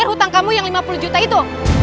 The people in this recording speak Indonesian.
sekarang kamu bayar utang kamu yang lima puluh juta itu